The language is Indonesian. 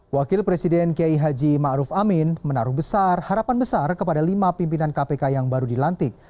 wakil presiden kiai haji ma'ruf amin menaruh harapan besar kepada lima pimpinan kpk yang baru dilantik